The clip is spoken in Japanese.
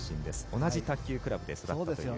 同じ卓球クラブで育ったという。